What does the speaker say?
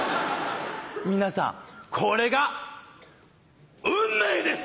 皆さんこれが運命です！